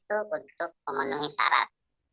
untuk memenuhi syarat